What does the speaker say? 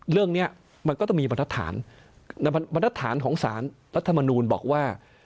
เรื่องนี้มันก็ต้องมีบรรทัศนบรรทัศนของสารรัฐมนูลบอกว่า